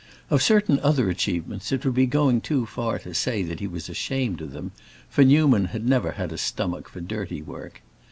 Of certain other achievements it would be going too far to say that he was ashamed of them for Newman had never had a stomach for dirty work.